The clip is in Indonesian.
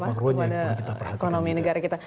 dampak makronya gitu yang kita perhatikan